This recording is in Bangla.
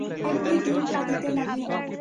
এমনি দিন কাটিতে লাগিল।